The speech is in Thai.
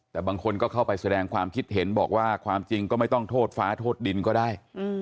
แต่บางคนก็เข้าไปแสดงความคิดเห็นบอกว่าความจริงก็ไม่ต้องโทษฟ้าโทษดินก็ได้